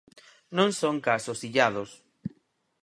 Non son casos illados.